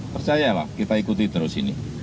percayalah kita ikuti terus ini